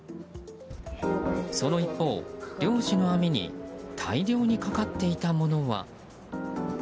その一方、漁師の網に大量にかかっていたものは。